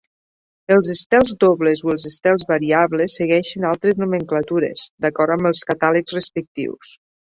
Els estels dobles o els estels variables segueixen altres nomenclatures, d'acord amb els catàlegs respectius.